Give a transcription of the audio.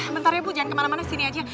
bentar ya bu jangan kemana mana sini aja